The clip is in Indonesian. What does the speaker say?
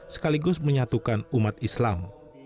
sekaligus menyatukan umat islam